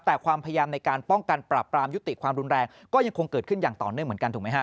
แต่ความพยายามในการป้องกันปรับปรามยุติความรุนแรงก็ยังคงเกิดขึ้นอย่างต่อเนื่องเหมือนกันถูกไหมฮะ